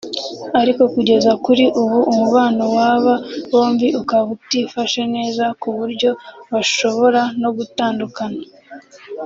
Ariko kugeza kuri ubu umubano w’aba bombi ukaba utifashe neza ku buryo bashobora no gutandukana